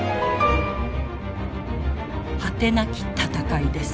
果てなき闘いです。